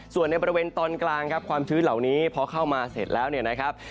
ส่วนในบริเวณตอนกลางครับความชื้นเหล่านี้พอเข้ามาเสร็จแล้วเนี่ยนะครับ